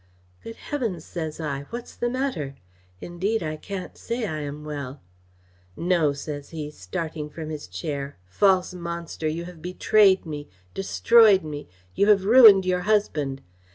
'Good Heavens!' says I, 'what's the matter? Indeed I can't say I am well.' 'No!' says he, starting from his chair, 'false monster, you have betrayed me, destroyed me, you have ruined your husband!